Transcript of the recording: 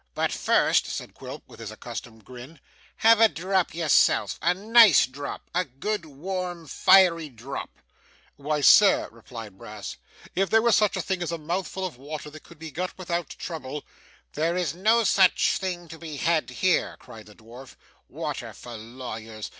'But first,' said Quilp, with his accustomed grin, 'have a drop yourself a nice drop a good, warm, fiery drop.' 'Why, sir,' replied Brass, 'if there was such a thing as a mouthful of water that could be got without trouble ' 'There's no such thing to be had here,' cried the dwarf. 'Water for lawyers!